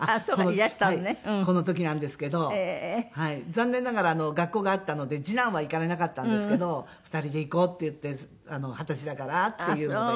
残念ながら学校があったので次男は行かれなかったんですけど２人で行こうって言って二十歳だからっていうので。